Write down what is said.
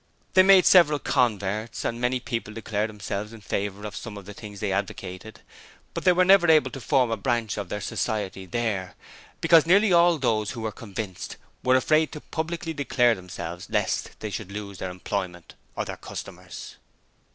They made several converts, and many people declared themselves in favour of some of the things advocated, but they were never able to form a branch of their society there, because nearly all those who were convinced were afraid to publicly declare themselves lest they should lose their employment or customers.